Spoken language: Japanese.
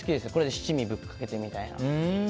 七味ぶっかけてみたいな。